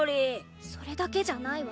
それだけじゃないわ。